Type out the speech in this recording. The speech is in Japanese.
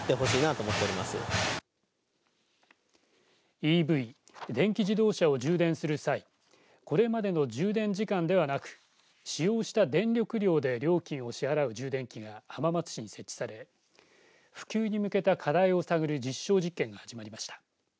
ＥＶ、電気自動車を充電する際これまでの充電時間ではなく使用した電力量で料金を支払う充電器が浜松市に設置され普及に向けた課題を探る実証実験が始まりました。